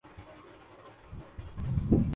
قطعی طور پر نشوزنہیں سمجھی جائے گی